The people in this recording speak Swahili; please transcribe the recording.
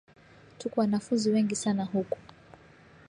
Tuko wanafunzi wengi sana huku